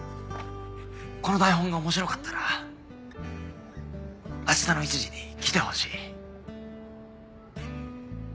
この台本が面白かったら明日の１時に来てほしい。